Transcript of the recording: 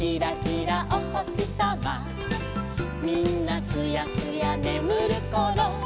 「みんなすやすやねむるころ」